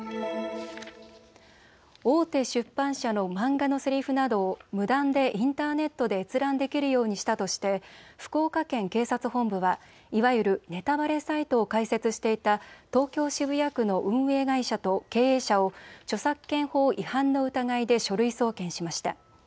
大手出版社の漫画のせりふなどを無断でインターネットで閲覧できるようにしたとして福岡県警察本部はいわゆるネタバレサイトを開設していた東京渋谷区の運営会社と経営者を著作権法違反の疑いで書類送検しました。